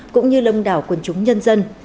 cũng như lông đảo quân chúng nhân dân